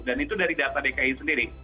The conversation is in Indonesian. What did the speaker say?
dan itu dari data dki sendiri